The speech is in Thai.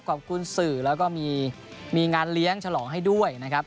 ขอบคุณสื่อแล้วก็มีงานเลี้ยงฉลองให้ด้วยนะครับ